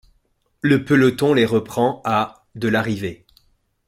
Le peloton les reprend à de l'arrivée.